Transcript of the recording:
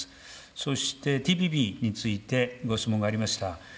そして、ＴＰＰについてご質問がありました。